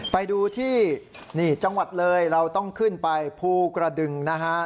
ไปดูที่นี่จังหวัดเลยเราต้องขึ้นไปภูกระดึงนะฮะ